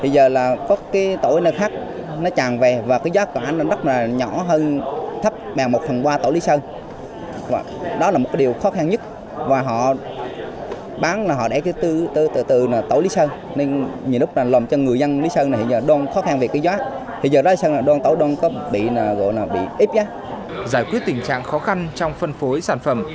giải quyết tình trạng khó khăn trong phân phối sản phẩm